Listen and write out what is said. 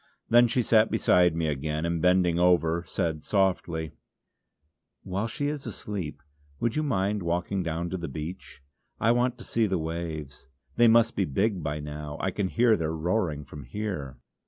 Then she sat beside me again, and bending over said softly: "While she is asleep would you mind walking down to the beach, I want to see the waves. They must be big by now; I can hear their roaring from here."